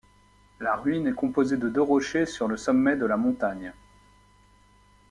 La ruine est composée de deux rochers sur le sommet de la montagne.